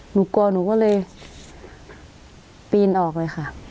หนูกลัวหนูก็เลยปีนออกเลยค่ะ